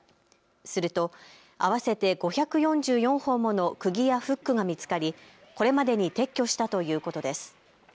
すると合わせて５４４本のくぎやフックが見つかり、これまでに撤去したということです。